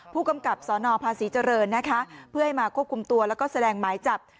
ผู้กำกับสนภาษีเจริญนะคะเพื่อให้มาควบคุมตัวแล้วก็แสดงหมายจับ